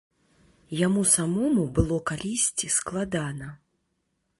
Яму самому было калісьці складана.